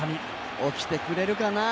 起きてくれるかな。